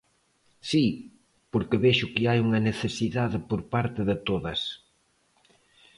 Si, porque vexo que hai unha necesidade por parte de todas.